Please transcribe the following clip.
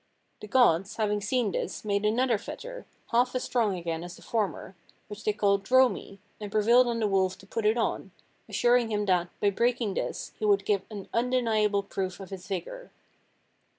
The gods, having seen this, made another fetter, half as strong again as the former, which they called Dromi, and prevailed on the wolf to put it on, assuring him that, by breaking this, he would give an undeniable proof of his vigour.